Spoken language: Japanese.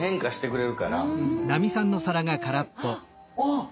あっ！